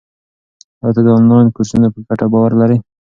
آیا ته د انلاین کورسونو په ګټه باور لرې؟